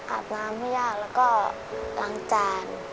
อาบน้ำให้ยากแล้วก็ล้างจาน